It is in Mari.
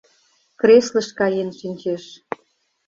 Креслыш каен шинчеш.